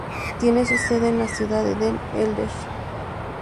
Tiene su sede en la ciudad de Den Helder.